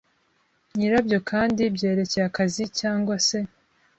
nyirabyo kandi byerekeye akazi cyangwa se